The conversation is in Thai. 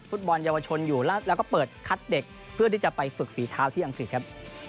ฟุตบอลเยาวชนอยู่แล้วก็เปิดคัดเด็กเพื่อที่จะไปฝึกฝีเท้าที่อังกฤษครับ